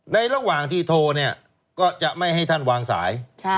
ระหว่างที่โทรเนี่ยก็จะไม่ให้ท่านวางสาย